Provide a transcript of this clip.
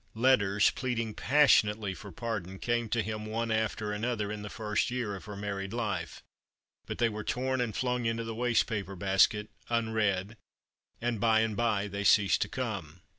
Letters, pleading pas sionately for pardon, came to him one after another in the first year of her married life ; but they were torn and flung into the waste paper basket, unread, and by and by they ceased to come.